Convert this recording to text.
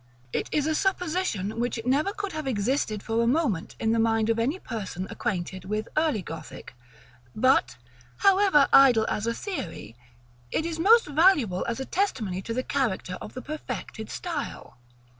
It is a supposition which never could have existed for a moment in the mind of any person acquainted with early Gothic; but, however idle as a theory, it is most valuable as a testimony to the character of the perfected style.